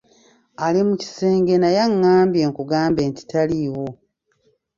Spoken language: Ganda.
Ali mu kisenge naye angambye nkugambe nti taliiwo.